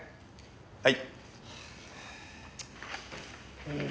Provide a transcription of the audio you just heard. はい。